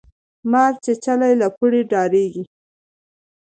ـ مارچيچلى له پړي ډاريږي.